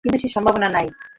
কিন্তু সে সম্ভাবনা নাই।